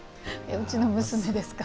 うちの娘ですか。